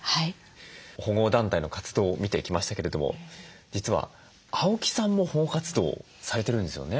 保護団体の活動を見てきましたけれども実は青木さんも保護活動をされてるんですよね？